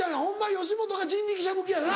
吉本か人力舎向きやな。